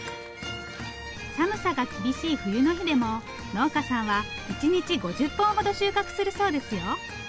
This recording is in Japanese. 寒さが厳しい冬の日でも農家さんは１日５０本ほど収穫するそうですよ。